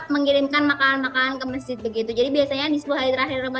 mengirimkan makanan makanan ke masjid begitu jadi biasanya di sepuluh hari terakhir ramadhan ini maka bisa